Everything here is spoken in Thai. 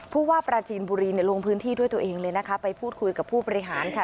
ผู้ว่าปราจีนบุรีลงพื้นที่ด้วยตัวเองเลยนะคะไปพูดคุยกับผู้บริหารค่ะ